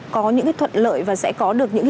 có những thuận lợi và sẽ có được những